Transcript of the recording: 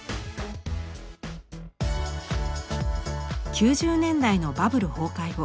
９０年代のバブル崩壊後